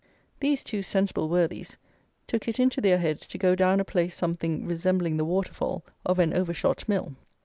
These two sensible worthies took it into their heads to go down a place something resembling the waterfall of an overshot mill.